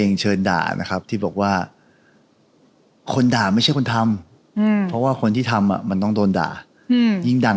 เขาไปแปลงฟัน